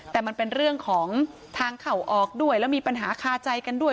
แต่มันเป็นเรื่องของทางเข้าออกด้วยแล้วมีปัญหาคาใจกันด้วย